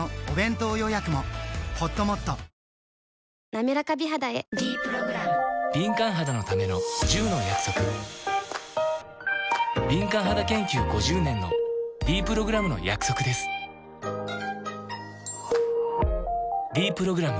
なめらか美肌へ「ｄプログラム」敏感肌研究５０年のｄプログラムの約束です「ｄプログラム」